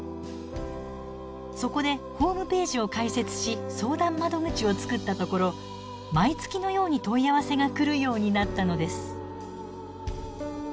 そこでホームページを開設し相談窓口を作ったところ毎月のように問い合わせが来るようになったのです。